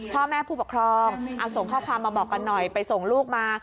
พ่อแม่ผู้ปกครองเอาส่งข้อความมาบอกกันหน่อยไปส่งลูกมา